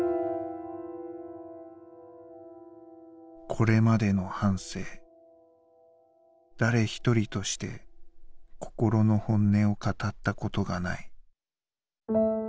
「これまでの半生誰ひとりとして心の本音を語ったことがない」。